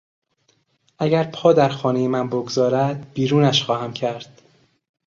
اگر پا در خانهی من بگذارد بیرونش خواهم کرد!